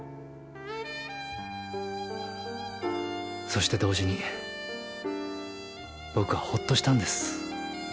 そして同時に僕はホッとしたんです。